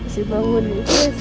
jessy bangun ya jess